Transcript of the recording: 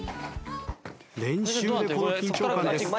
練習でこの緊張感です。